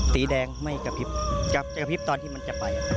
สีแดงไม่กระพริบจับกระพริบตอนที่มันจะไป